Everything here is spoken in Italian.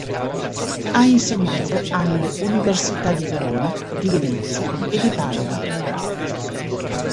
Ha insegnato alle università di Verona, di Venezia e di Padova.